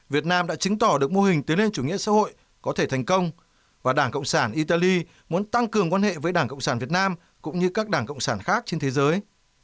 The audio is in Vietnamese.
việt nam đã chứng tỏ được mô hình tiến lên chủ nghĩa xã hội có thể thành công và đảng cộng sản italy muốn tăng cường quan hệ với đảng cộng sản việt nam cũng như các đảng cộng sản khác trên thế giới